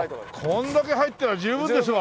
これだけ入ってたら十分ですわ！